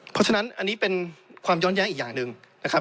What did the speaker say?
เพราะฉะนั้นอันนี้เป็นความย้อนแย้งอีกอย่างหนึ่งนะครับ